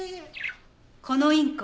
このインコ。